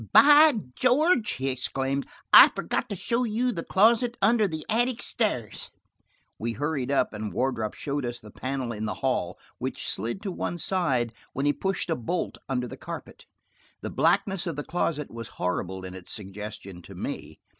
"By George," he exclaimed,"I forgot to show you the closet under the attic stairs!" We hurried up and Wardrop showed us the panel in the hall, which slid to one side when he pushed a bolt under the carpet. The blackness of the closet was horrible in its suggestion to me.